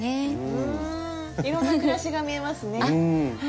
うんいろんな暮らしが見えますね。